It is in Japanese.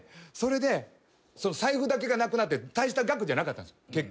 それで財布だけがなくなって大した額じゃなかったんです。